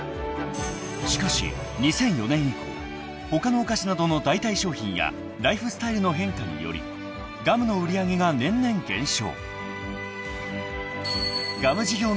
［しかし２００４年以降他のお菓子などの代替商品やライフスタイルの変化によりガムの売り上げが年々減少］